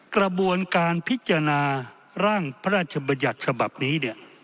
กระบวนการพิจารณาร่างพระราชบัญญัติฉบับนี้เนี่ย